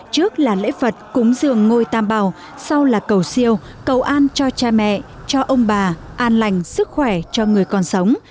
trước là lễ phật cúng dường ngôi tam bào sau là cầu siêu cầu an cho cha mẹ cho ông bà an lành sức khỏe cho người còn sống